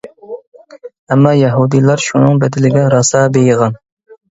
ئەمما يەھۇدىيلار شۇنىڭ بەدىلىگە راسا بېيىغان.